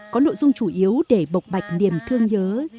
có nội dung chủ yếu để bộc bạch niềm thương nhớ